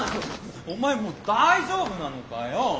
お前もう大丈夫なのかよ。